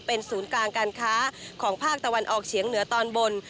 เป็นศูนย์กลางการค้าของภาคตะวันออกเฉียงเหนือตอนบน